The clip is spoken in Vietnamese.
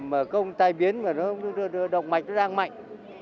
mà công tay biến mà nó đọc mạch nó đang mạnh